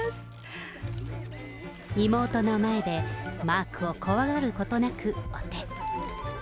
妹の前でマークを怖がることなく、お手。